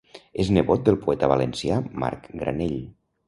És nebot del poeta valencià Marc Granell.